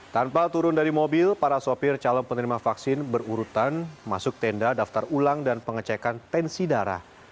tanpa turun dari mobil para sopir calon penerima vaksin berurutan masuk tenda daftar ulang dan pengecekan tensi darah